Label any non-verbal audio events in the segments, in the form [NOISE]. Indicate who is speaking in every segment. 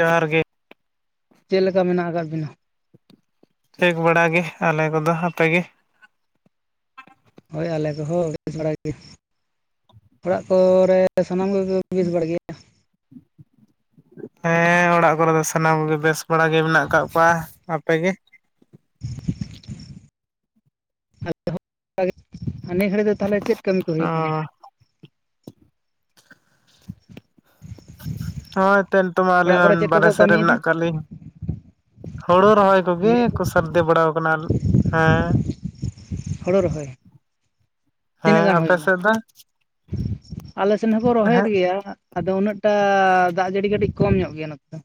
Speaker 1: ᱡᱚᱦᱟᱨ ᱜᱮ᱾
Speaker 2: ᱪᱮᱫ ᱞᱮᱠᱟ ᱢᱮᱱᱟᱜ ᱟᱠᱟᱫ ᱵᱤᱱᱟ?
Speaker 1: ᱴᱷᱤᱠ ᱵᱟᱲᱟ ᱜᱮ ᱟᱞᱮ ᱠᱚᱫᱚ, ᱟᱯᱮ ᱜᱮ?
Speaker 2: ᱦᱳᱭ ᱟᱞᱮ ᱠᱚᱦᱚᱸ ᱵᱮᱥ ᱵᱟᱲᱟ ᱜᱮ᱾ ᱚᱲᱟᱜ ᱠᱚ ᱨᱮᱼ ᱥᱟᱱᱟᱢ ᱠᱚᱜᱮ ᱵᱮᱹᱥ ᱵᱟᱲᱟ ᱜᱮᱭᱟ?
Speaker 1: ᱦᱮᱸ ᱚᱲᱟᱜ ᱠᱚᱨᱮ ᱫᱚ ᱥᱟᱱᱟᱢ ᱠᱚᱜᱮ ᱵᱮᱥ ᱵᱟᱲᱟ ᱜᱮ ᱢᱮᱱᱟᱜ ᱠᱟᱜ ᱠᱚᱣᱟ, ᱟᱯᱮ ᱜᱮ?
Speaker 2: ᱟᱞᱮ ᱦᱚᱸ ᱦᱟᱱᱮ ᱜᱷᱟᱹᱲᱤᱡ ᱫᱚ [UNINTELLIGIBLE] ᱛᱟᱦᱟᱞᱮ ᱪᱮᱫ ᱠᱟᱹᱢᱤ ᱠᱚ
Speaker 1: ᱚ
Speaker 2: ᱦᱩᱭᱩᱜ ᱠᱟᱱᱟ? ᱦ [INAUDIBLE]
Speaker 1: ᱦᱳᱭ ᱮᱱᱛᱮᱫ ᱱᱤᱛᱚᱜ ᱢᱟ
Speaker 2: ᱚᱲᱟᱜ ᱠᱚᱨᱮ
Speaker 1: ᱞᱟᱹᱣᱮᱱ
Speaker 2: ᱪᱮᱫ ᱠᱚᱠᱚ
Speaker 1: ᱵᱟᱨᱦᱮ ᱥᱮᱫ ᱨᱮ
Speaker 2: ᱠᱟᱹᱢᱤᱭᱮᱫᱟ
Speaker 1: ᱢᱮᱱᱟᱜ ᱠᱟᱜ ᱞᱤᱧ ᱾ ᱦᱩᱲᱩᱼ ᱨᱚᱦᱚᱭ ᱠᱚᱜᱮ
Speaker 2: ᱱᱤᱭᱟᱹ
Speaker 1: ᱠᱚ ᱥᱟᱨᱫᱮ ᱵᱟᱲᱟᱣ ᱠᱟᱱᱟ ᱦᱮᱸ᱾
Speaker 2: ᱦᱳᱲᱳ ᱨᱚᱦᱚᱭ?
Speaker 1: ᱦᱮᱸ
Speaker 2: ᱛᱤᱱᱟᱹᱜ ᱜᱟᱱ ᱦᱩᱭ
Speaker 1: ᱟᱯᱮ
Speaker 2: ᱮᱱᱟ?
Speaker 1: ᱥᱮᱫ ᱫᱚ
Speaker 2: ᱟᱞᱮ ᱥᱮᱱ ᱦᱚᱸᱠᱚ ᱨᱚᱦᱚᱭᱮᱫ
Speaker 1: ᱦᱮᱸ
Speaker 2: ᱜᱮᱭᱟ᱾ ᱟᱫᱚ ᱩᱱᱟᱹᱜ ᱴᱟᱻ ᱫᱟᱜ ᱡᱟᱹᱲᱤ ᱠᱟᱹᱴᱤᱡ ᱠᱚᱢ ᱧᱚᱜ ᱜᱮᱭᱟ ᱱᱚᱛ ᱫᱚ᱾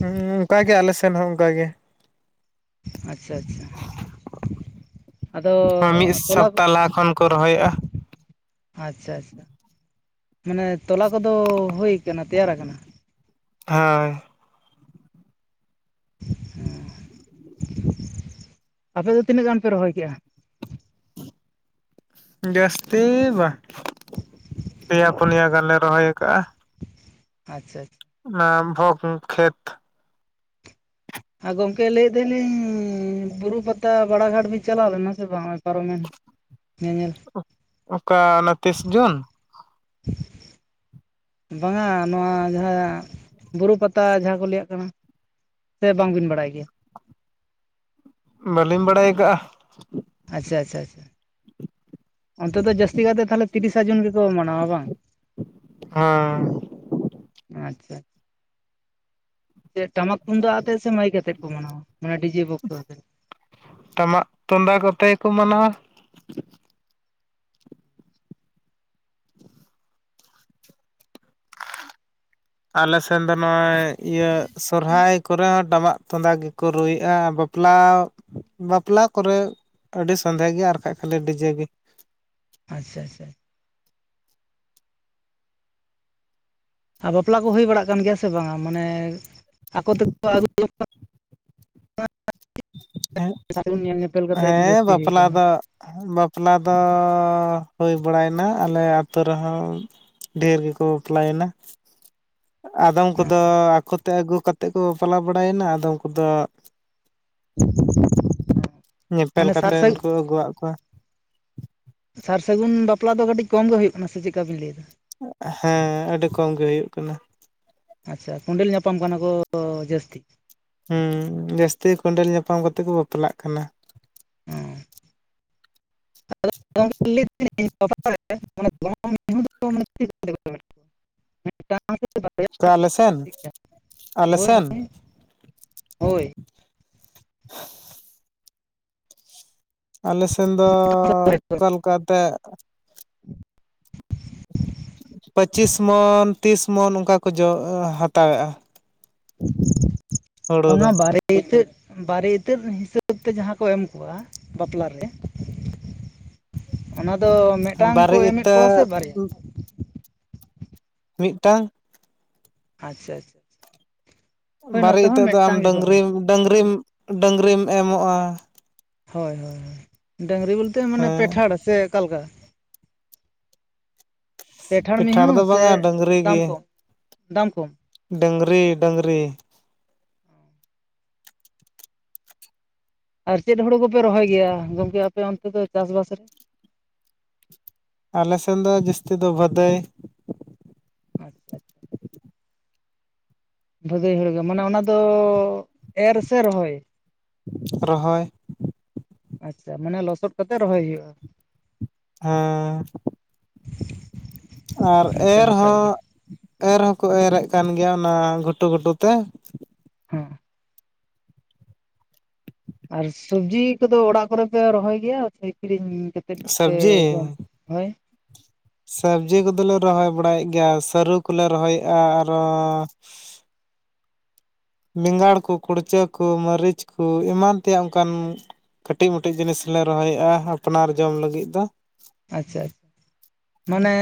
Speaker 1: ᱦᱩᱸᱻ ᱚᱱᱠᱟ ᱜᱮ ᱟᱞᱮ ᱥᱮᱱ ᱦᱚᱸ ᱚᱱᱠᱟᱜᱮ᱾
Speaker 2: ᱟᱪᱪᱷᱟ ᱟᱪᱪᱷᱟ᱾ ᱟᱫᱚᱻ
Speaker 1: ᱢᱤᱫ
Speaker 2: ᱛᱚᱞᱟᱼ
Speaker 1: ᱥᱚᱯᱛᱟ ᱞᱟᱦᱟ ᱠᱷᱚᱱ ᱠᱚ ᱨᱚᱦᱚᱭᱮᱫᱼᱟ
Speaker 2: ᱟᱪᱪᱷᱟ ᱟᱪᱪᱷᱟ, ᱢᱟᱱᱮ ᱛᱚᱞᱟ ᱠᱚᱫᱚ ᱦᱩᱭ ᱟᱠᱟᱱᱟ ᱛᱮᱭᱟᱨ ᱟᱠᱟᱱᱟ?
Speaker 1: ᱦᱟᱸᱭ᱾
Speaker 2: ᱦᱩᱸ ᱟᱯᱮ ᱫᱚ ᱛᱤᱱᱟᱹᱜ ᱜᱟᱱ ᱯᱮ ᱨᱚᱦᱚᱭ ᱠᱮᱜᱼᱟ?
Speaker 1: ᱡᱟᱹᱥᱛᱤᱻ ᱵᱟᱝ᱾ ᱯᱮᱭᱟ ᱯᱩᱱᱭᱟ ᱜᱟᱱᱞᱮ ᱨᱚᱦᱚᱭ ᱟᱠᱟᱟᱜᱼᱟ᱾
Speaker 2: ᱟᱪᱪᱷᱟ ᱟᱪᱪᱷᱟ᱾
Speaker 1: ᱚᱱᱟ ᱵᱷᱚᱠ ᱠᱷᱮᱛ᱾
Speaker 2: ᱟᱨ ᱜᱚᱢᱠᱮ ᱞᱟᱹᱭᱫᱟᱞᱤᱧᱻ ᱵᱩᱨᱩ ᱯᱟᱛᱟ ᱵᱟᱲᱟᱟᱜᱷᱟᱴ ᱵᱤᱱ ᱪᱟᱞᱟᱣ ᱞᱮᱱᱟ ᱥᱮ ᱵᱟᱝ ᱯᱟᱨᱚᱢᱮᱱ? ᱧᱮᱧᱮᱞ
Speaker 1: ᱚᱠᱟ ᱚᱱᱟ ᱛᱤᱥ ᱡᱩᱱ?
Speaker 2: ᱵᱟᱝᱟ, ᱱᱚᱣᱟ ᱡᱟᱦᱟᱸ ᱵᱩᱨᱩ ᱯᱟᱛᱟ ᱡᱟᱦᱟᱸ ᱠᱚ ᱞᱟᱹᱭᱟᱜ ᱠᱟᱱᱟ᱾ ᱥᱮ ᱵᱟᱝᱵᱤᱱ ᱵᱟᱲᱟᱭ ᱜᱮᱭᱟ?
Speaker 1: ᱵᱟᱹᱞᱤᱧ ᱵᱟᱲᱟᱭ ᱟᱠᱟᱜᱼᱟ᱾
Speaker 2: ᱟᱪᱪᱷᱟ ᱟᱪᱷᱟ ᱟᱪᱷᱟ᱾ ᱚᱱᱛᱮ ᱫᱚ ᱡᱟᱹᱥᱛᱤ ᱠᱟᱛᱮ ᱛᱟᱦᱚᱞᱮ ᱛᱤᱨᱤᱥᱟ ᱡᱩᱱ ᱜᱮᱠᱚ ᱢᱟᱱᱟᱣᱟ ᱵᱟᱝ?
Speaker 1: ᱟᱸᱻ
Speaker 2: ᱟᱪᱪᱷᱟ᱾ ᱴᱟᱢᱟᱠ ᱛᱩᱢᱫᱟᱜ ᱟᱛᱮᱫ ᱥᱮ ᱢᱟᱹᱭ ᱠᱟᱛᱮᱫ ᱠᱚ ᱢᱟᱱᱟᱣᱟ ᱢᱟᱱᱮ ᱰᱤᱡᱮ ᱵᱚᱠᱥᱚ ᱟᱛᱮ?
Speaker 1: ᱴᱟᱢᱟᱜ ᱛᱩᱢᱫᱟᱜ ᱠᱚᱛᱮ ᱜᱮ ᱠᱚ ᱢᱟᱱᱟᱣᱟ᱾ ᱟᱞᱮ ᱥᱮᱱ ᱫᱚ ᱱᱚᱸᱜᱼᱚᱭ ᱤᱭᱟᱹ ᱥᱚᱨᱦᱟᱭ ᱠᱚᱨᱮ ᱦᱚᱸᱼ ᱴᱟᱢᱟᱜ ᱛᱩᱢᱫᱟ ᱜᱮᱠᱚ ᱨᱩᱭᱮᱫᱼᱟ ᱵᱟᱯᱞᱟᱻ ᱵᱟᱯᱞᱟ ᱠᱚᱨᱮ ᱟᱹᱰᱤ ᱥᱟᱸᱫᱷᱮᱸ ᱜᱮ ᱟᱨ ᱠᱟᱷᱡ ᱠᱷᱟᱹᱞᱤ ᱰᱤᱡᱮ ᱜᱮ᱾
Speaker 2: ᱟᱪᱪᱷᱟ ᱟᱪᱪᱷᱟ᱾ ᱟᱨ ᱵᱟᱯᱞᱟ ᱠᱚ ᱦᱩᱭ ᱵᱟᱲᱟᱜ ᱠᱟᱱ ᱜᱮᱭᱟ ᱥᱮ ᱵᱟᱝᱟ? ᱢᱟᱱᱮᱻ ᱟᱠᱚ ᱛᱮᱠᱚ ᱟᱹᱜᱩᱚᱝ ᱟᱜ ᱼ ᱥᱟᱜᱩᱱ ᱧᱮᱞ ᱧᱮᱯᱮᱞ ᱠᱟᱛᱮᱫ
Speaker 1: ᱦᱮᱸ
Speaker 2: ᱡᱟᱹᱥᱛᱤ ᱦᱩᱭᱩᱜ
Speaker 1: ᱵᱟᱯᱞᱟ
Speaker 2: ᱠᱟᱱᱟ᱾
Speaker 1: ᱫᱚ ᱵᱟᱯᱞᱟ ᱫᱚᱻ ᱦᱩᱭ ᱵᱟᱲᱟᱭᱮᱱᱟ ᱟᱞᱮ ᱟᱹᱛᱩ ᱨᱮᱦᱚᱸ᱾ ᱰᱷᱮᱹᱨ ᱜᱮᱠᱚ ᱵᱟᱯᱞᱟᱭᱮᱱᱟ᱾ ᱟᱫᱚᱢ ᱠᱚᱫᱚ ᱟᱠᱚ ᱛᱮ ᱟᱹᱜᱩ ᱠᱟᱛᱮᱫ ᱠᱚ ᱵᱟᱯᱞᱟ ᱵᱟᱲᱟᱭᱮᱱᱟ, ᱟᱫᱚᱢ ᱠᱚᱫᱚᱼ
Speaker 2: [INAUDIBLE]
Speaker 1: ᱧᱮᱯᱮᱞ
Speaker 2: ᱢᱟᱱᱮ ᱥᱟᱨ
Speaker 1: ᱠᱟᱛᱮᱱ
Speaker 2: ᱥᱟᱹᱜᱩᱱ
Speaker 1: ᱠᱚ ᱟᱹᱜᱩᱣᱟᱜ ᱠᱚᱣᱟ᱾
Speaker 2: ᱥᱟᱨ ᱥᱟᱹᱜᱩᱱ ᱵᱟᱯᱞᱟ ᱫᱚ ᱠᱟᱴᱤᱡ ᱠᱚᱢ ᱜᱮ ᱦᱩᱭᱩᱜ ᱠᱟᱱᱟ ᱥᱮ ᱪᱮᱫ ᱠᱟ ᱵᱤᱱ ᱞᱮᱭᱫᱟ?
Speaker 1: ᱦᱮᱸ ᱟᱹᱰᱤ ᱠᱚᱢ ᱜᱮ ᱦᱩᱭᱩᱜ ᱠᱟᱱᱟ᱾
Speaker 2: ᱟᱪᱪᱷᱟ ᱠᱚᱸᱰᱮᱞ ᱧᱟᱯᱟᱢ ᱠᱟᱱᱟ ᱠᱳᱻ ᱡᱟᱹᱥᱛᱤ᱾
Speaker 1: ᱦᱩᱸ ᱡᱟᱹᱥᱛᱤ ᱠᱚᱸᱰᱮᱞ ᱧᱟᱯᱟᱢ ᱠᱟᱛᱮ ᱠᱚ ᱵᱟᱯᱞᱟᱜ ᱠᱟᱱᱟ᱾
Speaker 2: ᱚ [INAUDIBLE] [INAUDIBLE]
Speaker 1: ᱚᱠᱟ ᱟᱞᱮ ᱥᱮᱱ
Speaker 2: ᱪᱮᱫᱠᱟ?
Speaker 1: ᱟᱞᱮ
Speaker 2: ᱦᱳᱭ
Speaker 1: ᱥᱮᱱ
Speaker 2: ᱦᱳᱭ
Speaker 1: ᱟᱞᱮ ᱥᱮᱱ ᱫᱚᱻ
Speaker 2: ᱦᱳᱭ ᱦᱳᱭ
Speaker 1: ᱚᱠᱟ ᱞᱮᱠᱟ ᱛᱮ ᱯᱟᱹᱪᱤᱥ ᱢᱚᱱ ᱛᱤᱥ ᱢᱚᱱ ᱚᱱᱠᱟ ᱠᱚ ᱡᱚ ᱦᱟᱛᱟᱣᱮᱜᱼᱟ᱾ ᱦᱩᱲᱩ
Speaker 2: ᱚᱱᱟ
Speaker 1: ᱫᱚ
Speaker 2: ᱵᱟᱨᱮ ᱤᱛᱟᱹ ᱵᱟᱨᱮ ᱤᱛᱟᱹᱫ ᱦᱤᱥᱟᱹᱵᱽ ᱛᱮ ᱡᱟᱦᱟᱸ ᱠᱚ ᱮᱢ ᱠᱚᱣᱟ ᱵᱟᱯᱞᱟ ᱨᱮ
Speaker 1: [UNINTELLIGIBLE]
Speaker 2: ᱚᱱᱟ ᱫᱚ ᱢᱤᱫ ᱴᱟᱝ ᱠᱚ
Speaker 1: ᱵᱟᱨᱮ
Speaker 2: ᱮᱢᱮᱫ ᱠᱚᱣᱟ ᱥᱮ
Speaker 1: ᱤᱛᱟᱹ
Speaker 2: ᱵᱟᱨᱭᱟ
Speaker 1: ᱢᱤᱫ ᱴᱟᱝ
Speaker 2: ᱟᱪᱪᱷᱟ ᱟᱪᱪᱷᱟ ᱦᱳᱭ
Speaker 1: ᱵᱟᱨᱮ
Speaker 2: ᱱᱚᱛᱮ ᱦᱚᱸ
Speaker 1: ᱤᱛᱟᱹᱜ ᱫᱚ ᱟᱢ
Speaker 2: ᱢᱤᱫᱴᱟᱝ ᱜᱮᱠᱚ ᱮᱢᱟ
Speaker 1: ᱰᱟᱝᱨᱤᱢ ᱰᱟᱹᱝᱨᱤᱢ ᱰᱟᱹᱝᱨᱤᱢ ᱮᱢᱚᱜᱼᱟ
Speaker 2: ᱦᱳᱭ ᱰᱟᱹᱝᱨᱤ ᱵᱚᱞ ᱛᱮ ᱢᱟᱱᱮ
Speaker 1: ᱦᱮᱸ
Speaker 2: ᱯᱮᱴᱷᱟᱲ ᱥᱮ ᱟᱠᱟ ᱞᱮᱠᱟ ᱯᱮᱴᱷᱟᱲ ᱢᱤᱦᱩ
Speaker 1: ᱯᱮᱴᱷᱟᱬ ᱫᱚ
Speaker 2: ᱥᱮ
Speaker 1: ᱵᱟᱝᱼᱟ ᱰᱟᱹᱝᱨᱤ
Speaker 2: ᱫᱟᱢ
Speaker 1: ᱜᱤ
Speaker 2: ᱠᱚᱢ ᱫᱟᱢ ᱠᱚᱢ
Speaker 1: ᱰᱟᱹᱝᱨᱤ ᱰᱟᱹᱝᱨᱤ᱾
Speaker 2: ᱟᱨ ᱪᱮᱫ ᱦᱩᱲᱩ ᱠᱚᱯᱮ ᱨᱚᱦᱚᱭ ᱜᱮᱭᱟ ᱜᱚᱝᱠᱮ ᱟᱯᱮ ᱚᱱᱛᱮ ᱫᱚ ᱪᱟᱥ ᱵᱟᱥ ᱨᱮ
Speaker 1: ᱟᱞᱮ ᱥᱮᱱ ᱫᱚ ᱡᱟᱹᱥᱛᱤ ᱫᱚ ᱵᱟᱹᱫᱟᱹᱭ
Speaker 2: [INAUDIBLE] ᱵᱷᱟᱹᱜᱟᱹᱭ ᱦᱳᱲᱳ ᱫᱚ ᱢᱟᱱᱮ ᱚᱱᱟ ᱫᱚᱻ ᱮᱨ ᱥᱮ ᱨᱚᱦᱚᱭ
Speaker 1: ᱨᱚᱦᱚᱭ
Speaker 2: ᱟᱪᱪᱷᱟ ᱢᱟᱱᱮ ᱞᱚᱥᱚᱫ ᱠᱟᱛᱮᱫ ᱨᱚᱦᱚᱭ ᱦᱩᱭᱩᱜᱼᱟ
Speaker 1: ᱦᱮᱸᱻ ᱟᱨ
Speaker 2: ᱟᱪᱪᱷᱟ
Speaker 1: ᱮᱨ
Speaker 2: ᱱᱟᱯᱟᱭ
Speaker 1: ᱦᱚᱸ
Speaker 2: ᱜᱮ
Speaker 1: ᱮᱨ ᱦᱚᱸᱠᱚ ᱮᱨᱼᱮᱜ ᱠᱟᱱ ᱜᱮᱭᱟ ᱚᱱᱟ ᱜᱷᱩᱴᱩᱼᱜᱷᱩᱴᱩ ᱛᱮ
Speaker 2: ᱦᱮᱸ ᱟᱨ ᱥᱩᱵᱽᱡᱤ ᱠᱩᱫᱚ ᱚᱲᱟᱜ ᱠᱚᱨᱮ ᱯᱮ ᱨᱚᱦᱚᱭ ᱜᱮᱭᱟ ᱥᱮ ᱠᱤᱨᱤᱧ ᱠᱟᱛᱮᱫ ᱜᱮᱯᱮ ᱡᱚᱢ ᱦᱳᱭ
Speaker 1: ᱥᱟᱵᱽᱡᱤ ᱠᱚᱫᱚ ᱞᱮ ᱨᱚᱦᱚᱭ ᱵᱟᱲᱟᱭᱮᱫ ᱜᱮᱭᱟ ᱥᱟᱹᱨᱩ ᱠᱚᱞᱮ ᱨᱚᱦᱚᱭᱮᱜᱼᱟ ᱟᱨᱚᱻ ᱵᱮᱸᱜᱟᱲ ᱠᱚ ᱠᱩᱲᱪᱟᱹ ᱠᱚ ᱢᱟᱹᱨᱤᱪ ᱠᱚ ᱮᱢᱟᱱ ᱛᱮᱭᱟᱜ ᱚᱱᱠᱟᱱ ᱠᱟᱹᱴᱤᱡ ᱢᱟᱹᱴᱤᱡ ᱡᱤᱱᱤᱥ ᱞᱮ ᱨᱚᱦᱚᱭᱮᱜᱼᱟ ᱟᱯᱱᱟᱨ ᱡᱚᱢ ᱞᱟᱹᱜᱤᱫ ᱫᱚ
Speaker 2: ᱟᱪᱪᱷᱟ ᱢᱟᱱᱮ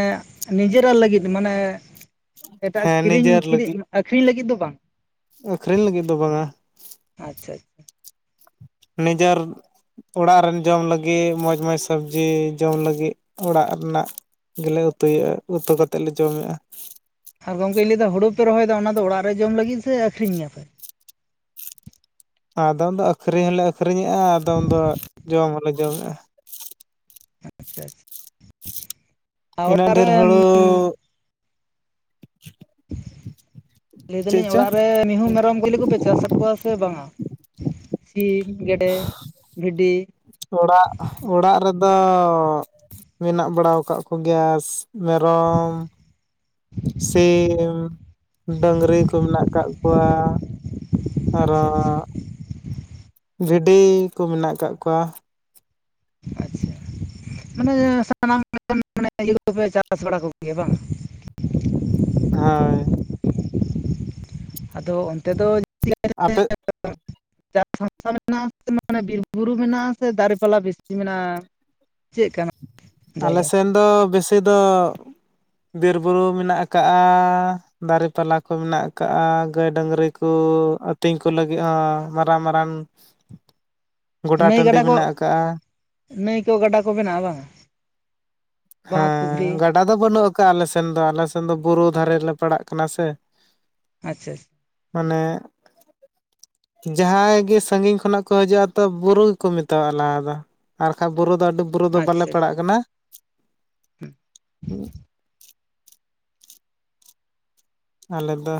Speaker 2: ᱱᱤᱡᱮᱨᱟᱜ ᱞᱟᱹᱜᱤᱫ ᱢᱟᱱᱮ ᱮᱴᱟᱜ
Speaker 1: ᱦᱮᱸ
Speaker 2: ᱠᱤᱨᱤᱧ
Speaker 1: ᱱᱤᱡᱮᱨ ᱞᱟᱹᱜᱤᱫ
Speaker 2: ᱠᱤᱨᱤᱧ ᱟᱹᱠᱷᱨᱤᱧ ᱞᱟᱹᱜᱤᱫ ᱫᱚ ᱵᱟᱝ
Speaker 1: ᱟᱹᱠᱷᱨᱤᱧ ᱞᱟᱹᱜᱤᱫ ᱫᱚ ᱵᱟᱝᱼᱟ
Speaker 2: ᱟᱪᱷᱟᱷᱟ
Speaker 1: ᱱᱤᱡᱚᱨ ᱚᱲᱟᱜ ᱨᱮᱱ ᱡᱚᱢ ᱞᱟᱹᱜᱤᱫ ᱢᱚᱡᱽ ᱢᱚᱡᱽ ᱥᱚᱵᱽᱡᱤ ᱡᱚᱢ ᱞᱟᱹᱜᱤᱫ ᱚᱲᱟᱜ ᱨᱮᱱᱟᱜ ᱜᱮᱞᱮ ᱩᱛᱩᱭᱮᱜᱼᱟ ᱩᱛᱩ ᱠᱟᱛᱮᱫ ᱞᱮ ᱡᱚᱢᱮᱜᱼᱟ
Speaker 2: ᱟᱨ ᱜᱚᱝᱠᱮ ᱞᱟᱹᱭ ᱫᱟ ᱦᱳᱲᱳ ᱯᱮ ᱨᱚᱦᱚᱭᱮᱫᱟ ᱚᱱᱟ ᱫᱚ ᱚᱲᱟᱜ ᱨᱮ ᱡᱚᱢ ᱞᱟᱹᱜᱤᱫ ᱥᱮ ᱟᱠᱷᱨᱤᱧ ᱟᱯᱮ-
Speaker 1: ᱟᱫᱚᱢ ᱫᱚ ᱟᱹᱠᱷᱨᱤᱧ ᱦᱚᱸᱞᱮ ᱟᱹᱠᱷᱨᱤᱧᱮᱜᱼᱟ ᱟᱫᱚᱢ ᱫᱚ ᱡᱚᱢ ᱦᱚᱞᱮ ᱡᱚᱢᱮᱜᱼᱟ
Speaker 2: [INAUDIBLE]
Speaker 1: ᱤᱱᱟᱹᱜ
Speaker 2: ᱚᱲᱟᱜ
Speaker 1: ᱰᱷᱮᱨ
Speaker 2: ᱨᱮ
Speaker 1: ᱦᱩᱲᱩᱻ
Speaker 2: ᱞᱟᱹᱭ ᱫᱟᱞᱤᱧ ᱚᱲᱟᱜ ᱨᱮ ᱢᱤᱦᱩ ᱢᱮᱨᱚᱢ ᱜᱚᱞᱤ ᱠᱚᱯᱮ ᱪᱟᱥ ᱟᱠᱚᱣᱟ ᱥᱮ ᱵᱟᱝᱼᱟ ᱥᱤᱢ ᱜᱮᱰᱮ ᱵᱷᱤᱰᱤ
Speaker 1: ᱚᱲᱟᱜ ᱚᱲᱟᱜ ᱨᱮ ᱫᱚ ᱢᱮᱱᱟᱜ ᱵᱟᱲᱟᱣ ᱠᱟᱜ ᱠᱚᱜᱮᱭᱟᱥ ᱢᱮᱨᱚᱢ ᱥᱤᱢ ᱰᱟᱺᱜᱽᱨᱤ ᱠᱚ ᱢᱮᱱᱟᱜ ᱠᱟᱜ ᱠᱚᱣᱟ᱾ ᱟᱨᱚ
Speaker 2: ᱟᱪᱪᱷᱟ ᱟᱪᱪᱷᱟ
Speaker 1: ᱵᱷᱤᱰᱤ ᱠᱚ ᱢᱮᱱᱟᱜ ᱠᱟᱜ ᱠᱚᱣᱟ ᱾
Speaker 2: ᱟᱪᱷᱟ ᱢᱟᱱᱮ ᱥᱟᱱᱟᱢ ᱞᱮᱠᱟᱱ ᱢᱟᱱᱮ ᱤᱭᱟᱹ ᱠᱚᱯᱮ ᱪᱟᱥ ᱵᱟᱲᱟ ᱠᱚᱜᱮᱭᱟ ᱵᱟᱝ?
Speaker 1: ᱦᱚᱸᱭ᱾
Speaker 2: ᱟᱫᱚ ᱚᱱᱛᱮ ᱫᱚ
Speaker 1: ᱟᱯᱮᱜ
Speaker 2: [UNINTELLIGIBLE] ᱪᱟᱥ [UNINTELLIGIBLE] ᱢᱮᱱᱟᱜᱼᱟ ᱢᱟᱱᱮ ᱵᱤᱨ ᱵᱩᱨᱩ ᱢᱮᱱᱟᱜᱼᱟ ᱥᱮ ᱫᱟᱨᱮᱯᱞᱟ ᱵᱮᱥᱤ ᱢᱮᱱᱟᱜᱼᱟ? ᱪᱮᱜ ᱠᱟᱱᱟ? ᱡᱟᱭᱜᱟ
Speaker 1: ᱟᱞᱮᱥᱮᱱ ᱫᱚ ᱵᱤᱥᱤ ᱫᱚ ᱵᱤᱨ-ᱵᱩᱨᱩ ᱢᱮᱱᱟᱜ ᱠᱟᱜᱼᱟ ᱾ ᱫᱟᱨᱮ ᱯᱟᱞᱟ ᱠᱚ ᱢᱮᱱᱟᱜ ᱠᱟᱜᱼᱟ ᱜᱟᱹᱭ ᱰᱟᱺᱜᱽᱨᱤ ᱠᱚ ᱟᱹᱛᱤᱧ ᱠᱚ ᱞᱟᱹᱜᱤᱫ ᱦᱚᱸ ᱢᱟᱨᱟᱝ ᱢᱟᱨᱟᱝ ᱜᱚᱰᱟ
Speaker 2: ᱱᱟᱹᱭ
Speaker 1: ᱴᱟᱺᱰᱤ
Speaker 2: ᱜᱟᱰᱟ ᱠᱚ,
Speaker 1: ᱢᱮᱱᱟᱜ ᱟᱠᱟᱜᱼᱟ
Speaker 2: ᱱᱟᱹᱭ ᱠᱚ ᱜᱟᱰᱟ ᱠᱚ ᱢᱮᱱᱟᱜᱼᱟ ᱵᱟᱝᱟ?
Speaker 1: ᱦᱮᱸ ᱜᱟᱰᱟ ᱫᱚ ᱵᱟᱹᱱᱩᱜ ᱠᱟᱜᱼᱟ ᱟᱞᱮ ᱥᱮᱱ ᱫᱚ ᱟᱞᱮ ᱥᱮᱱ ᱫᱚ ᱵᱩᱨᱩ ᱫᱷᱟᱨᱮ ᱞᱮ ᱯᱟᱲᱟᱜ ᱠᱟᱱᱟ ᱥᱮ,
Speaker 2: ᱟᱪᱪᱷᱟ ᱟᱪᱪᱷᱟ᱾
Speaker 1: ᱢᱟᱱᱮ ᱡᱟᱦᱟᱸᱭ ᱜᱮ ᱥᱟᱺᱜᱤᱧ ᱠᱷᱚᱱᱟᱜ ᱠᱚ ᱦᱤᱡᱩᱜᱼᱟ ᱛᱚ ᱵᱩᱨᱩ ᱜᱮᱠᱚ ᱢᱮᱛᱟᱣᱟᱜᱼᱟ ᱞᱟᱦᱟ ᱫᱚ ᱟᱨ ᱠᱷᱟᱡ ᱵᱩᱨᱩ ᱫᱚ ᱟᱹᱰᱤ ᱵᱩᱨᱩ ᱫᱚ ᱵᱟᱞᱮ
Speaker 2: ᱟᱪᱪᱷᱟ ᱟᱪᱪᱷᱟ
Speaker 1: ᱯᱟᱲᱟᱜ ᱠᱟᱱᱟ ᱟᱞᱮ ᱫᱚ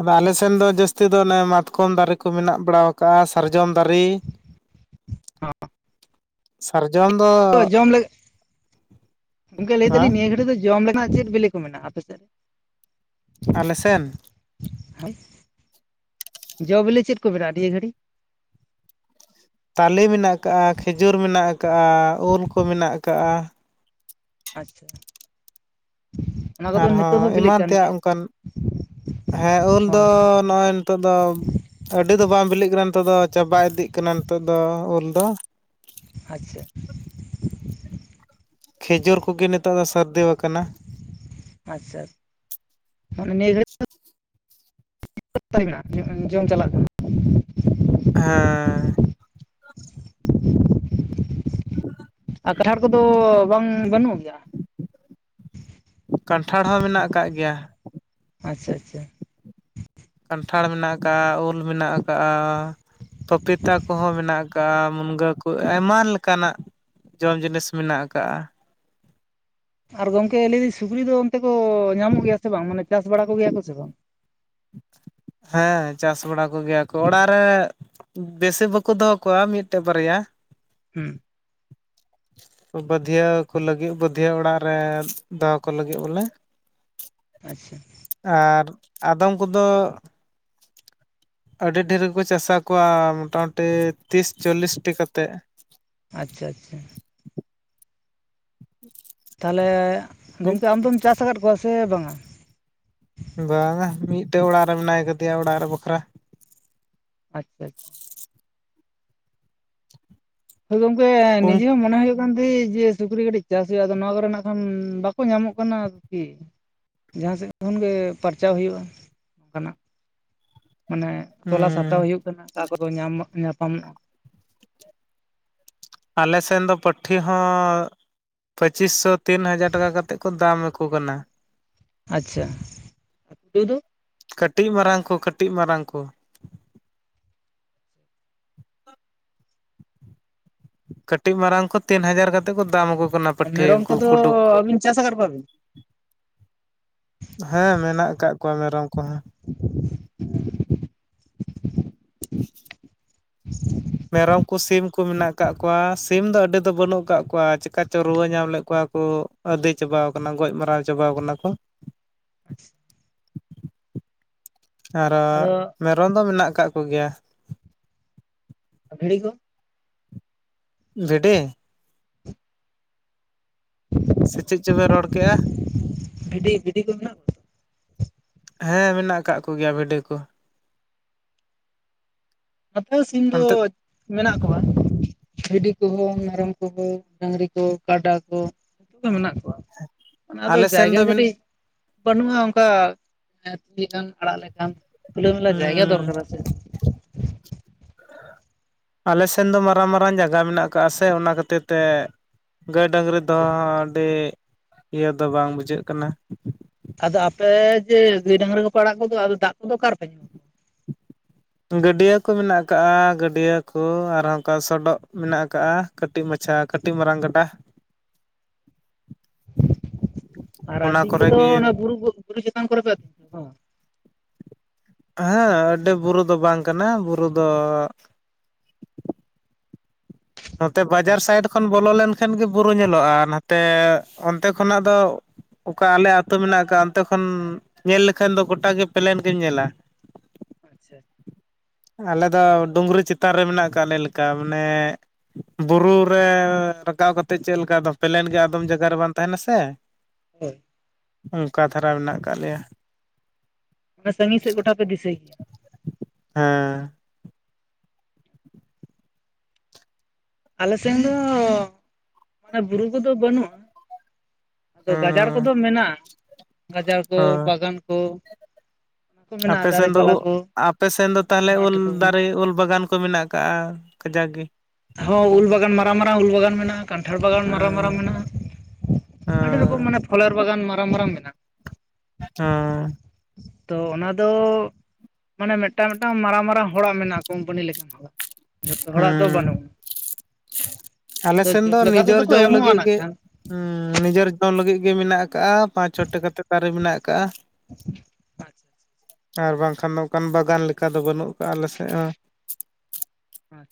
Speaker 1: ᱟᱫᱚ ᱟᱞᱮ ᱥᱮᱱ ᱫᱚ ᱡᱟᱹᱥᱛᱤ ᱫᱚ ᱚᱱᱮ ᱢᱟᱛᱠᱚᱢ ᱫᱟᱨᱮ ᱠᱚ ᱢᱮᱱᱟᱜ ᱵᱟᱲᱟᱣ ᱠᱟᱜᱼᱟ ᱥᱟᱨᱡᱚᱢ ᱫᱟᱨᱮ ᱥᱟᱨᱡᱚᱢ ᱫᱚ
Speaker 2: ᱛᱚ ᱡᱚᱢ ᱞᱮ ᱜᱚᱝᱠᱮ ᱞᱟᱹᱭ
Speaker 1: ᱦᱮᱸ
Speaker 2: ᱫᱟᱹᱞᱤᱧ ᱱᱤᱭᱟᱹ ᱜᱷᱟᱹᱲᱤᱡ ᱫᱚ ᱡᱚᱢ ᱞᱮᱠᱟᱱᱟᱜ ᱪᱮᱫ ᱵᱤᱞᱤ ᱠᱚ ᱢᱮᱱᱟᱜᱼᱟ ᱟᱯᱮ ᱥᱮᱫ?
Speaker 1: ᱟᱞᱮ ᱥᱮᱱ?
Speaker 2: ᱦᱳᱭ, ᱡᱚ ᱵᱚᱞᱮ ᱪᱮᱫ ᱠᱚ ᱢᱮᱱᱟᱜᱼᱟ ᱱᱤᱭᱟᱹ ᱜᱷᱟᱹᱲᱤ?
Speaker 1: ᱛᱟᱞᱮ ᱢᱮᱱᱟᱜ ᱠᱟᱜᱼᱟ ᱠᱷᱤᱡᱩᱨ ᱢᱮᱱᱟᱜ ᱠᱟᱜᱼᱟ ᱩᱞ ᱠᱚ ᱢᱮᱱᱟᱜ ᱠᱟᱜᱼᱟ᱾
Speaker 2: ᱟᱪᱪᱷᱟ᱾ ᱚᱱᱟ ᱠᱚᱫᱚ ᱱᱤᱛᱚᱜ
Speaker 1: ᱟᱨᱦᱚᱸ
Speaker 2: ᱦᱚᱸ ᱵᱤᱞᱤᱜ
Speaker 1: ᱮᱢᱟᱱ
Speaker 2: ᱠᱟᱱ
Speaker 1: ᱛᱮᱭᱟᱜ
Speaker 2: ᱜᱮᱭᱟ
Speaker 1: ᱚᱱᱠᱟᱱ ᱦᱮᱸ ᱩᱞ
Speaker 2: ᱦᱳᱭ
Speaker 1: ᱫᱚ,
Speaker 2: ᱦᱳᱭ
Speaker 1: ᱱᱚᱸᱜᱼᱚᱭ ᱱᱤᱛᱚᱜ ᱫᱚ ᱟᱹᱰᱤ ᱫᱚ ᱵᱟᱝ ᱵᱤᱞᱤᱜ ᱠᱟᱱᱟ ᱱᱤᱛᱚᱜ ᱫᱚ ᱪᱟᱵᱟ ᱤᱫᱤᱜ ᱠᱟᱱᱟ ᱱᱤᱛᱚᱜ ᱫᱚ ᱩᱞ ᱫᱚ
Speaker 2: ᱟᱪᱪᱷᱟ᱾
Speaker 1: ᱠᱷᱤᱡᱩᱨ ᱠᱚᱜᱮ ᱱᱤᱛᱚᱜ ᱫᱚ ᱥᱟᱹᱨᱫᱤᱣ ᱠᱟᱱᱟ ᱾
Speaker 2: ᱟᱪᱪᱷᱟ ᱚᱱᱮ ᱱᱤᱭᱮ ᱜᱷᱟᱲᱤ [INAUDIBLE] ᱛᱟᱹᱨᱤ ᱢᱮᱱᱟᱜᱼᱟ ᱡᱚᱢ ᱪᱟᱞᱟᱜ ᱠᱟᱱᱟ᱾
Speaker 1: ᱦᱮᱸ᱾
Speaker 2: [INAUDIBLE]
Speaker 1: [INAUDIBLE]
Speaker 2: ᱟᱨ ᱠᱟᱴᱷᱟᱲ ᱠᱚᱫᱚ ᱵᱟᱝ ᱵᱟᱹᱱᱩᱜ ᱜᱮᱭᱟ?
Speaker 1: ᱠᱟᱱᱴᱷᱟᱲ ᱦᱚᱸ ᱢᱮᱱᱟᱜ ᱠᱟᱜ ᱜᱮᱭᱟ ᱾
Speaker 2: ᱟᱪᱪᱷᱟ ᱟᱪᱪᱷᱟ᱾
Speaker 1: ᱠᱟᱱᱴᱷᱟᱲ ᱢᱮᱱᱟᱜ ᱠᱟᱜᱼᱟ ᱩᱞ ᱢᱮᱱᱟᱜ ᱠᱟᱜᱼᱟ ᱾ ᱯᱟᱯᱤᱛᱟ ᱠᱚᱦᱚᱸ ᱢᱮᱱᱟᱜ ᱠᱟᱜᱼᱟ ᱢᱩᱱᱜᱟᱹ ᱠᱚ ᱟᱭᱢᱟ ᱞᱮᱠᱟᱱᱟᱜ ᱡᱚᱢ ᱡᱤᱱᱤᱥ ᱢᱮᱱᱟᱜ ᱠᱟᱜ-ᱟ᱾
Speaker 2: ᱟᱨ ᱜᱚᱝᱠᱮ ᱞᱟᱹᱭ ᱫᱟᱹᱧ ᱥᱩᱠᱨᱥᱤ ᱫᱚ ᱚᱱᱛᱮ ᱫᱚ ᱧᱟᱢᱚᱜ ᱜᱮᱭᱟ ᱥᱮ ᱵᱟᱝ ᱢᱟᱱᱮ ᱪᱟᱥ ᱵᱟᱲᱟ ᱠᱚ ᱜᱮᱭᱟ ᱠᱚ ᱥᱮ ᱵᱟᱝ?
Speaker 1: ᱦᱮᱸ ᱪᱟᱥ ᱵᱟᱲᱟ ᱠᱚ ᱜᱮᱭᱟ ᱠᱚ ᱚᱲᱟᱜ ᱨᱮ ᱵᱮᱥᱤ ᱵᱟᱠᱚ ᱫᱚᱦᱚ ᱠᱚᱣᱟ ᱢᱤᱫᱴᱟᱹᱜ ᱵᱟᱨᱭᱟ ᱾
Speaker 2: ᱦᱩᱸ᱾
Speaker 1: ᱵᱟᱹᱫᱷᱭᱟᱹ ᱠᱚ ᱞᱟᱹᱜᱤᱫ ᱵᱟᱹᱫᱷᱭᱟᱹ ᱚᱲᱟᱜ ᱨᱮ ᱫᱚᱦᱚ ᱠᱚ ᱞᱟᱹᱜᱤᱫ ᱵᱚᱞᱮ᱾ [INAUDIBLE]
Speaker 2: ᱟᱪᱪᱷᱟ᱾
Speaker 1: ᱟᱨ ᱟᱫᱚᱢ ᱠᱚᱫᱚ ᱟᱹᱰᱤ ᱰᱷᱮᱨ ᱜᱮ ᱠᱚ ᱪᱟᱥᱟᱣ ᱠᱚᱣᱟ ᱢᱚᱴᱟ ᱢᱩᱴᱤ ᱛᱤᱥ ᱪᱚᱞᱤᱥ ᱴᱤ ᱠᱟᱛᱮᱫ᱾
Speaker 2: ᱟᱪᱪᱷᱟ, ᱟᱪᱪᱷᱟ᱾
Speaker 1: [INAUDIBLE]
Speaker 2: ᱛᱟᱞᱦᱮ
Speaker 1: ᱢᱤᱫ
Speaker 2: ᱜᱚᱝᱠᱮ ᱟᱢ ᱫᱚᱢ ᱪᱟᱥ ᱟᱠᱟᱫ ᱠᱚᱣᱟ ᱥᱮ ᱵᱟᱝ-ᱟ?
Speaker 1: ᱵᱟᱝ-ᱟ ᱢᱤᱫ ᱴᱮᱱ ᱚᱲᱟᱜ ᱨᱮ ᱢᱮᱱᱟᱭ ᱠᱟᱫᱮᱭᱟ ᱚᱲᱟᱜ ᱨᱮ ᱵᱟᱠᱷᱨᱟ᱾
Speaker 2: ᱟᱪᱪᱷᱟ, ᱟᱪ ᱦᱳᱭ ᱜᱚᱝᱠᱮ
Speaker 1: ᱩᱸ
Speaker 2: ᱱᱤᱡᱮ ᱦᱚᱸ ᱢᱚᱱᱮ ᱦᱳᱭᱳᱜ ᱠᱟᱱ ᱛᱟᱦᱮᱫ ᱡᱮ ᱥᱩᱠᱨᱤ ᱠᱟᱹᱴᱤᱡ ᱪᱟᱥ ᱦᱳᱭᱳᱜ-ᱟ ᱟᱫᱚ ᱱᱚᱣᱟ ᱠᱚ ᱨᱮᱱᱟᱜ ᱱᱟᱜ ᱠᱷᱟᱱ ᱵᱟᱠᱚ ᱧᱟᱢᱚᱜ ᱠᱟᱱᱟ ᱟᱨ ᱠᱤ᱾ ᱡᱟᱦᱟ ᱥᱮᱫ ᱠᱷᱚᱱ ᱜᱮ ᱯᱟᱨᱪᱟᱣ ᱦᱳᱭᱳᱜ-ᱟ ᱚᱱᱠᱟ ᱱᱟᱸᱜ ᱢᱟᱱᱮ ᱛᱚᱞᱟᱥ ᱦᱟᱛᱟᱣ ᱦᱳᱭᱳᱜ ᱠᱟᱱᱟ ᱚᱠᱟ ᱠᱚ ᱨᱮ ᱧᱟᱢ ᱧᱟᱯᱟᱢ ᱚᱜ-ᱟ᱾
Speaker 1: ᱟᱞᱮ ᱥᱮᱱ ᱫᱚ ᱯᱟᱹᱴᱷᱤ ᱦᱚᱸ ᱯᱚᱸᱪᱤᱥ ᱥᱚ ᱛᱤᱱ ᱦᱟᱡᱟᱨ ᱴᱟᱠᱟ ᱠᱟᱛᱮᱫ ᱠᱚ ᱫᱟᱢ ᱟᱠᱚ ᱠᱟᱱᱟ᱾
Speaker 2: ᱟᱪᱪᱷᱟ ᱟᱨ ᱠᱩᱸᱰᱩ ᱫᱩ
Speaker 1: ᱠᱟᱹᱴᱤᱡ ᱢᱟᱨᱟᱝ ᱠᱚ ᱠᱟᱹᱴᱤᱡ ᱢᱟᱨᱟᱝ ᱠᱚ᱾ ᱠᱟᱹᱴᱤᱡ ᱢᱟᱨᱟᱝ ᱠᱚ ᱛᱤᱱ ᱦᱟᱡᱟᱨ ᱠᱟᱛᱮᱫ ᱠᱚ ᱫᱟᱢ ᱟᱠᱚ ᱠᱟᱱᱟ᱾ ᱯᱟᱹᱴᱷᱤ
Speaker 2: ᱢᱮᱨᱚᱢ
Speaker 1: ᱩᱱᱠᱩ
Speaker 2: ᱠᱚᱫᱚ
Speaker 1: ᱠᱩᱸᱰᱩ ᱠᱚ᱾
Speaker 2: ᱟᱹᱵᱤᱱ ᱪᱟᱥ ᱟᱠᱟᱫ ᱠᱚᱣᱟ ᱵᱤᱱ
Speaker 1: ᱦᱮᱸ ᱢᱮᱱᱟᱜ ᱠᱟᱜ ᱠᱚᱣᱟ ᱢᱮᱨᱚᱢ ᱠᱚᱦᱚᱸ᱾
Speaker 2: [INAUDIBLE]
Speaker 1: [INAUDIBLE]
Speaker 2: [INAUDIBLE]
Speaker 1: ᱢᱮᱨᱚᱢ ᱠᱚ, ᱥᱤᱢ ᱠᱚ ᱢᱮᱱᱟᱜ ᱟᱠᱟᱜ ᱠᱚᱣᱟ ᱥᱤᱢ ᱫᱚ ᱟᱹᱰᱤ ᱫᱚ ᱵᱟᱹᱱᱩᱜ ᱟᱠᱟᱜ ᱠᱚᱣᱟ ᱪᱤᱠᱟ ᱪᱚ ᱨᱩᱣᱟᱹ ᱧᱟᱢ ᱞᱮᱫ ᱠᱚᱣᱟ ᱠᱚ᱾ ᱟᱹᱫᱮ ᱪᱟᱵᱟ ᱠᱟᱱᱟ ᱠᱚ ᱜᱚᱡ ᱢᱟᱨᱟᱣ ᱪᱟᱵᱟᱣ ᱠᱟᱱᱟ ᱠᱚ᱾
Speaker 2: ᱟᱪᱪᱷᱟ᱾
Speaker 1: ᱟᱨᱚ
Speaker 2: ᱟᱫᱚ
Speaker 1: ᱢᱮᱨᱚᱢ ᱫᱚ ᱢᱮᱱᱟᱜ ᱠᱟᱜ ᱠᱚ ᱜᱮᱭᱟ᱾
Speaker 2: ᱟᱨ ᱵᱷᱤᱲᱤ ᱠᱚ᱾
Speaker 1: ᱵᱷᱤᱰᱤ᱾ ᱥᱮ ᱪᱮᱫ ᱪᱚ ᱵᱮᱱ ᱨᱚᱲ ᱠᱮᱜ-ᱟ?
Speaker 2: ᱵᱷᱤᱰᱤ ᱵᱷᱤᱰᱤ ᱠᱚ ᱢᱮᱱᱟᱜ ᱠᱚᱣᱟ
Speaker 1: ᱦᱮᱸ ᱢᱮᱱᱟᱜ ᱟᱠᱟᱜ ᱠᱚ ᱜᱮᱭᱟ ᱵᱷᱤᱰᱤ ᱠᱚ᱾ [INAUDIBLE]
Speaker 2: ᱟᱯᱮ ᱥᱤᱢ ᱫᱚ
Speaker 1: ᱚᱱᱛᱮ
Speaker 2: ᱢᱮᱱᱟᱜ ᱠᱚᱣᱟ ᱵᱷᱤᱰᱤ ᱠᱚᱦᱚᱸ, ᱢᱮᱨᱚᱢ ᱠᱚᱦᱚᱸ, ᱰᱟᱹᱝᱨᱤ ᱠᱚ, ᱠᱟᱰᱟ ᱠᱚ᱾ ᱡᱷᱚᱛᱚ ᱜᱮ ᱢᱮᱱᱟᱜ ᱠᱚᱣᱟ ᱢᱟᱱᱮ ᱟᱫᱚ
Speaker 1: ᱟᱞᱮ ᱥᱮᱱ
Speaker 2: ᱡᱟᱭᱜᱟ
Speaker 1: ᱫᱚ ᱦᱩᱸ
Speaker 2: ᱠᱟᱹᱴᱤᱡ ᱵᱟᱹᱱᱩᱜᱼᱟ ᱚᱱᱠᱟ ᱟᱹᱛᱤᱧ ᱞᱮᱠᱟᱱ, ᱟᱲᱟᱜ ᱞᱮᱠᱟᱱ ᱠᱷᱩᱞᱟᱹ ᱢᱮᱞᱟ ᱡᱟᱭᱜᱟ ᱫᱚᱨᱠᱟᱨᱟ᱾ ᱟᱪᱪᱷᱟ᱾
Speaker 1: ᱟᱞᱮ ᱥᱮᱱ ᱫᱚ ᱢᱟᱨᱟᱝ, ᱢᱟᱨᱟᱝ ᱡᱟᱭᱜᱟ ᱢᱮᱱᱟᱜ ᱠᱟᱜ-ᱟ ᱥᱮ ᱚᱱᱟ ᱠᱷᱟᱹᱛᱤᱨ ᱛᱮ ᱜᱟᱹᱭ, ᱰᱟᱹᱝᱨᱤ ᱫᱚᱦᱚ
Speaker 2: ᱟᱪᱪᱷᱟ
Speaker 1: ᱦᱚᱸ ᱟᱹᱰᱤ ᱤᱭᱟᱹ ᱫᱚ ᱵᱟᱝ ᱵᱩᱡᱷᱟᱹᱜ ᱠᱟᱱᱟ᱾
Speaker 2: ᱟᱫᱚ ᱟᱯᱮ ᱡᱮ ᱜᱟᱹᱭ ᱰᱟᱹᱝᱨᱤ ᱠᱚᱯᱮ ᱟᱲᱟᱜ ᱠᱚᱫᱚᱜ ᱟᱫᱚ ᱫᱟᱜ ᱠᱚ ᱚᱠᱟ ᱨᱮ ᱯᱮ
Speaker 1: [INAUDIBLE] ᱜᱟᱹᱰᱭᱟᱹ ᱠᱚ ᱢᱮᱱᱟᱜ ᱠᱟᱜᱼᱟ ᱜᱟᱹᱰᱭᱟᱹ ᱠᱚ ᱟᱨ ᱚᱱᱠᱟ ᱥᱚᱰᱚᱜ ᱢᱮᱱᱟᱜ ᱠᱟᱜᱼᱟ᱾ ᱠᱟᱹᱴᱤᱡ ᱢᱟᱪᱷᱟ ᱠᱟᱹᱴᱤᱡ ᱢᱟᱨᱟᱝ ᱜᱟᱸᱰᱟ᱾
Speaker 2: ᱟᱨ ᱟᱹᱛᱤᱧ ᱠᱚᱫᱚ ᱚᱱᱟ ᱵᱩᱨᱩ ᱠᱚ ᱚᱱᱟ ᱵᱩᱨᱩ ᱪᱮᱛᱟᱱ ᱠᱚᱨᱮ ᱯᱮ ᱟ
Speaker 1: ᱦᱮᱸ ᱟᱹᱰᱤ ᱵᱩᱨᱩ ᱫᱚ ᱵᱟᱝ ᱠᱟᱱᱟ ᱵᱩᱨᱩ ᱫᱚ ᱱᱚᱛᱮ ᱵᱟᱡᱟᱨ
Speaker 2: ᱟᱪᱪᱷᱟ
Speaker 1: ᱥᱟᱭᱤᱰ ᱠᱷᱚᱱ ᱵᱚᱞᱚ ᱞᱮᱱ ᱠᱷᱟᱱ ᱜᱮ ᱵᱩᱨᱩ ᱧᱮᱞᱚᱜᱼᱟ ᱟᱨ ᱱᱟᱛᱮ ᱚᱱᱛᱮ ᱠᱷᱚᱱᱟᱜ ᱫᱚ ᱚᱠᱟ ᱟᱞᱮ ᱟᱹᱛᱳ ᱢᱮᱱᱟᱜ ᱠᱟᱜᱼᱟ ᱚᱱᱛᱮ ᱠᱷᱚᱱ ᱧᱮᱞ ᱞᱮᱠᱷᱟᱱ ᱫᱚ ᱜᱚᱴᱟ ᱜᱮ ᱯᱞᱮᱱ ᱜᱮ ᱧᱮᱞᱟ᱾ [INAUDIBLE]
Speaker 2: ᱟᱪᱪᱷᱟ᱾
Speaker 1: ᱟᱞᱮ ᱫᱚ ᱰᱩᱸᱝᱨᱤ ᱪᱮᱛᱟᱱ ᱨᱮ ᱢᱮᱱᱟᱜ ᱠᱟᱜ ᱞᱮ ᱞᱮᱠᱟ ᱢᱟᱱᱮ ᱵᱩᱨᱩ ᱨᱮ ᱨᱟᱠᱟᱵ ᱠᱟᱛᱮᱜ ᱪᱮᱫ ᱞᱮᱠᱟ ᱫᱚ ᱯᱮᱞᱮᱱ ᱜᱮ ᱟᱫᱚᱢ ᱡᱟᱭᱜᱟ ᱨᱮ ᱵᱟᱝ ᱛᱟᱦᱮᱸᱱᱟ ᱥᱮ,
Speaker 2: ᱦᱳᱭ᱾
Speaker 1: ᱚᱱᱠᱟ ᱫᱷᱟᱨᱟ ᱢᱮᱱᱟᱜ ᱠᱟᱜ ᱞᱮᱭᱟ᱾
Speaker 2: ᱢᱤᱱᱮ ᱥᱟᱺᱜᱤᱧ ᱥᱮᱫ ᱠᱚᱴᱟ ᱯᱮ ᱫᱤᱥᱟᱹᱭ
Speaker 1: ᱦᱮᱸ᱾
Speaker 2: ᱟᱞᱮ ᱥᱮᱱ ᱫᱚ ᱢᱟᱱᱮ ᱵᱩᱨᱩ ᱠᱚᱫᱚ ᱵᱟᱹᱱᱩᱜᱼᱟ, ᱟᱫᱚ ᱜᱟᱡᱟᱲ
Speaker 1: ᱦᱩᱸ
Speaker 2: ᱠᱚᱫᱚ ᱢᱮᱱᱟᱜᱼᱟ ᱜᱟᱡᱟᱲ ᱠᱚ
Speaker 1: ᱦᱚᱸ
Speaker 2: ᱵᱟᱜᱟᱱ ᱠᱚ, ᱚᱱᱟ ᱠᱚ ᱢᱮᱱᱟᱜᱼᱟ
Speaker 1: ᱟᱯᱮᱥᱮᱱ
Speaker 2: ᱫᱟᱨᱮ
Speaker 1: ᱫᱚ
Speaker 2: ᱯᱟᱞᱟ
Speaker 1: ᱩᱜ
Speaker 2: ᱠᱚ
Speaker 1: ᱟᱯᱮᱥᱱ ᱫᱚ ᱛᱟᱦᱚᱞᱮ
Speaker 2: ᱢᱟᱴᱷ
Speaker 1: ᱩᱞ
Speaker 2: ᱠᱚ
Speaker 1: ᱫᱟᱨᱮ ᱩᱞ ᱵᱟᱜᱟᱱ ᱠᱚ ᱢᱮᱱᱟᱜ ᱠᱟᱜᱼᱟ ᱠᱟᱡᱟᱠ ᱜᱮ᱾
Speaker 2: ᱦᱚᱸ ᱩᱞ ᱵᱟᱜᱟᱱ ᱢᱟᱨᱟᱝ ᱢᱟᱨᱟᱝ ᱩᱞ ᱵᱟᱜᱟᱱ ᱢᱮᱱᱟᱜᱼᱟ᱾ ᱠᱟᱱᱴᱷᱟᱲ ᱵᱟᱜᱟᱱ ᱢᱟᱨᱟᱝ ᱢᱟᱨᱟᱝ
Speaker 1: ᱦᱮᱸ
Speaker 2: ᱢᱮᱱᱟᱜᱼᱟ ᱟᱹᱰᱤ ᱨᱚᱠᱚᱢ
Speaker 1: ᱦᱮᱸ
Speaker 2: ᱢᱟᱱᱮ ᱯᱷᱚᱞᱮᱨ ᱵᱟᱜᱟᱱ ᱢᱟᱨᱟᱝ ᱢᱟᱨᱟᱝ ᱢᱮᱱᱟᱜᱼᱟ᱾
Speaker 1: ᱦᱚᱸ᱾
Speaker 2: ᱛᱚ ᱚᱱᱟᱫᱚ ᱢᱟᱱᱮ ᱢᱤᱫᱴᱟᱝ ᱢᱤᱫᱴᱟᱝ ᱢᱟᱨᱟᱝ ᱢᱟᱨᱟᱝ ᱦᱚᱲᱟᱜ ᱢᱮᱱᱟᱜᱼᱟ ᱠᱳᱢᱯᱟᱱᱤ ᱞᱮᱠᱟᱱ ᱦᱚᱲᱟᱜ ᱡᱷᱚᱛᱚ ᱦᱚᱲᱟᱜ ᱫᱚ
Speaker 1: ᱦᱮᱸ
Speaker 2: ᱵᱟᱹᱱᱩᱜᱼᱟ᱾
Speaker 1: ᱟᱞᱮ
Speaker 2: ᱟᱫᱚ
Speaker 1: ᱥᱮᱱ ᱫᱚ
Speaker 2: ᱡᱚᱢ ᱞᱮᱠᱟ ᱛᱮᱫᱚ
Speaker 1: ᱱᱤᱡᱮᱨ
Speaker 2: ᱠᱚ
Speaker 1: ᱡᱚᱢ
Speaker 2: ᱮᱢᱚᱜᱼᱟ
Speaker 1: ᱞᱟᱹᱜᱤᱫ
Speaker 2: ᱱᱟᱜ
Speaker 1: ᱜᱮ
Speaker 2: ᱠᱷᱟᱱ
Speaker 1: ᱱᱤᱡᱮᱨ ᱡᱚᱢ ᱞᱟᱹᱜᱤᱫ ᱜᱮ ᱢᱮᱱᱟᱜ ᱠᱟᱜᱼᱟ ᱯᱟᱸᱪ ᱪᱷᱚᱴᱤ ᱠᱟᱛᱮ ᱫᱟᱨᱮ ᱢᱮᱱᱟᱜ ᱠᱟᱟᱜᱼᱟ,
Speaker 2: ᱟᱪᱪᱷᱟ
Speaker 1: ᱟᱨ ᱵᱟᱝᱠᱷᱟᱱ ᱱᱚᱝᱠᱟᱱ ᱵᱟᱜᱟᱱ ᱞᱮᱠᱟ ᱫᱚ ᱵᱟᱹᱱᱩᱜ ᱠᱟᱜᱼᱟ ᱟᱞᱮ ᱥᱮᱫ ᱦᱚᱸ᱾
Speaker 2: ᱦᱚᱭ᱾